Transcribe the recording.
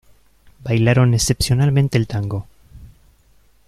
Bailaron excepcionalmente el tango.